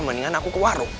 mendingan aku ke warung